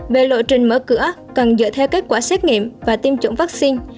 về lộ trình mở cửa cần dựa theo kết quả xét nghiệm và tiêm chủng vaccine